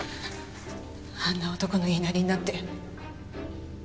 あんな男の言いなりになって。